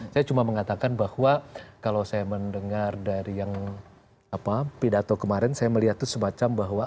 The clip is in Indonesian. saya cuma mengatakan bahwa kalau saya mendengar dari yang pidato kemarin saya melihat itu semacam bahwa